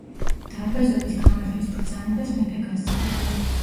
დარბაზობის გამართვის ბრძანებას მეფე გასცემდა.